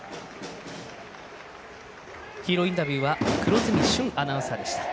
ヒーローインタビューは黒住駿アナウンサーでした。